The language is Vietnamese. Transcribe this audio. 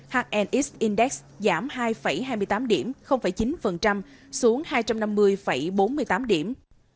hnx index giảm hai hai mươi tám điểm chín xuống hai trăm năm mươi bốn mươi tám điểm